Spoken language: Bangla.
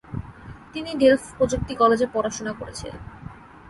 তিনি ডেলফ প্রযুক্তি কলেজে পড়াশোনা করেছিলেন।